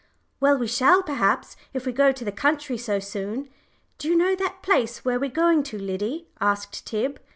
"Well, we shall, perhaps, if we go to the country so soon. Do you know that place where we're going to, Liddy?" asked Tib.